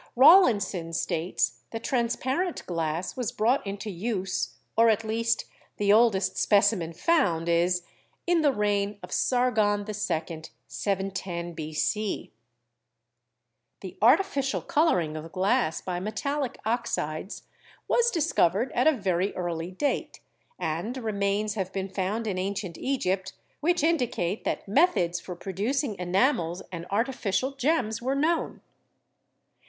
Rawlinson states that trans parent glass was brought into use, or at least the oldest specimen found is, in the reign of Sargon II., 710 B.C. The artificial coloring of glass by metallic oxides was discovered at a very early date, and remains have been found in ancient Egypt which indicate that methods for producing enamels and artificial gems were known.